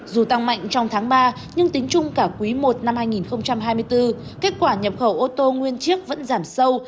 dù tăng mạnh trong tháng ba nhưng tính chung cả quý i năm hai nghìn hai mươi bốn kết quả nhập khẩu ô tô nguyên chiếc vẫn giảm sâu